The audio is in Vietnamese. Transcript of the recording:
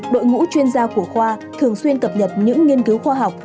đội ngũ chuyên gia của khoa thường xuyên cập nhật những nghiên cứu khoa học